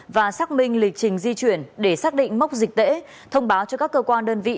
và xác minh lịch trình di chuyển để xác định mốc dịch tễ thông báo cho các cơ quan đơn vị